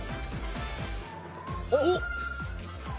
おっ。